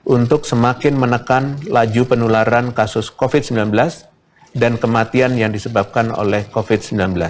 untuk semakin menekan laju penularan kasus covid sembilan belas dan kematian yang disebabkan oleh covid sembilan belas